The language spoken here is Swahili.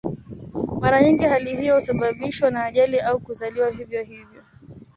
Mara nyingi hali hiyo husababishwa na ajali au kuzaliwa hivyo hivyo.